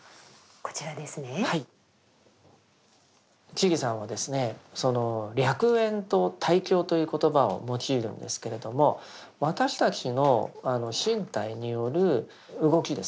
智さんはその歴縁と対境という言葉を用いるんですけれども私たちの身体による動きですね